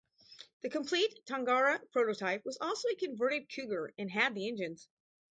The complete Tangara prototype was also a converted Cougar and had the engines.